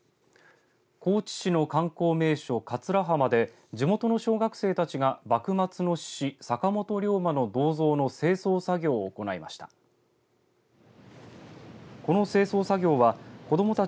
高知市の観光名所、桂浜で地元の小学生たちが幕末の志士坂本龍馬の銅像の清掃作業を行いました。